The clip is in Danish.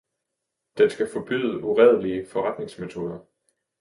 Den skal forbyde uredelige forretningsmetoder.